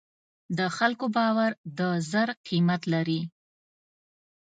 د خلکو باور د زر قیمت لري.